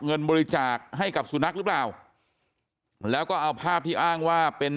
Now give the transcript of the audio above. เงินบริจาคให้กับสุนัขหรือเปล่าแล้วก็เอาภาพที่อ้างว่าเป็น